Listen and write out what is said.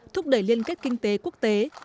thúc đẩy liên kết kinh tế quốc tế